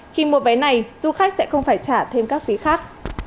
khi mua vé này du khách sẽ không phải trả thêm các phí khác